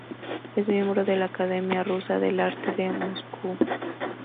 Es miembro de la Academia Rusa del Arte de Moscú.